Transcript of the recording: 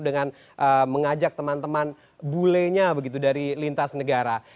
dengan mengajak teman teman bule nya begitu dari lintas negara